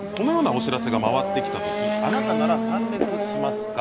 このようなお知らせが回ってきたとき、あなたなら参列しますか？